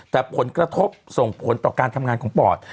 แต่ผลกระทบส่งผลต่อการทำงานของปอด